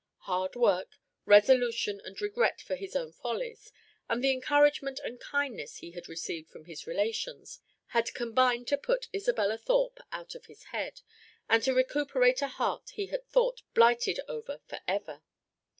Hard work, resolution and regret for his own follies, and the encouragement and kindness he had received from his relations, had combined to put Isabella Thorpe out of his head, and to recuperate a heart he had thought blighted over for ever.